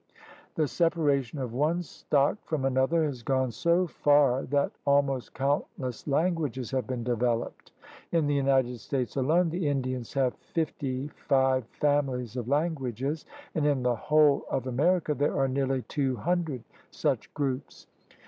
The separa tion of one stock from another has gone so far that almost countless languages have been developed. In the United States alone the Indians have fifty five "families" of languages and in the whole of America there are nearly two hundred such groups.